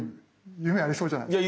夢ありそうじゃないですか？